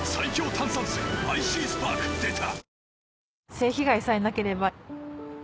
性被害さえなければ。